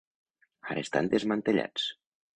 Ara estan desmantellats.